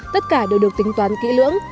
tất cả đều được tính toán kỹ lưỡng